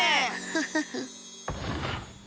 フフフ。